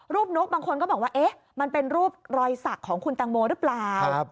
นกบางคนก็บอกว่าเอ๊ะมันเป็นรูปรอยสักของคุณตังโมหรือเปล่า